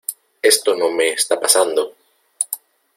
¡ Esto no me esta pasando!